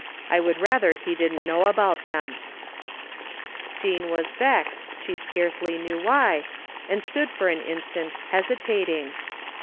I would rather he didn't know about them/' Jean was vexed, she scarcely knew why, and stood for an instant hesitating.